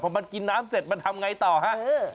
พอมันกินน้ำเสร็จมันทำไงต่อฮะ